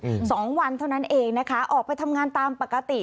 อืมสองวันเท่านั้นเองนะคะออกไปทำงานตามปกติ